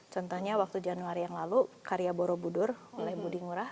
contohnya waktu januari yang lalu karya borobudur oleh budi ngurah